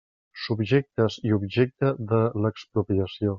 Subjectes i objecte de l'expropiació.